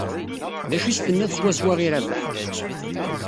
D acu i s-tenniḍ swaswa i Rabaḥ?